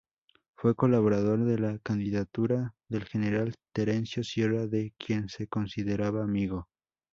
Fue colaborador de la candidatura del General Terencio Sierra de quien se consideraba amigo.